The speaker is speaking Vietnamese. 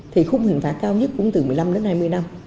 thì khung hình phạt cao nhất cũng từ một mươi năm đến hai mươi năm